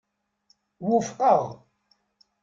Wufqeɣ.